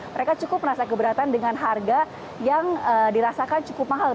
mereka cukup merasa keberatan dengan harga yang dirasakan cukup mahal